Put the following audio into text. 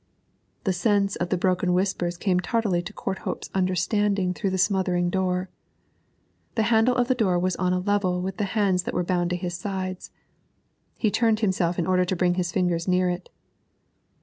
The sense of the broken whispers came tardily to Courthope's understanding through the smothering door. The handle of the door was on a level with the hands that were bound to his sides; he turned himself in order to bring his fingers near it.